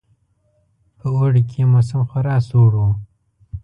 په اوړي کې یې موسم خورا سوړ وو.